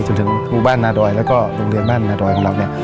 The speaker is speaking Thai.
จนถึงบอดนาโดยและวก็โรงเรียนบ้านนาโดยนครั้งรัง